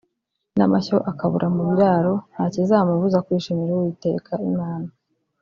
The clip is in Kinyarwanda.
n’amashyo akabura mu birāro ntakizamubuza kwishimira Uwiteka Imana